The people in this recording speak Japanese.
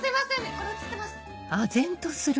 これ映ってます？